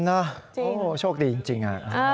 โอ้โหโชคดีจริง